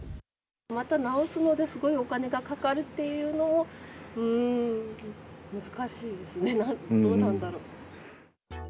また直すのですごいお金がかかるっていうのも、うーん、難しいですね、どうなんだろう。